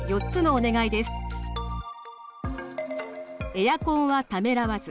エアコンはためらわず。